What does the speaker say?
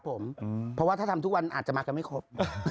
เพราะว่าถ้าทำทุกวันอาจจะมากันไม่ครบ